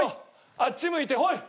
あっち向いてホイ。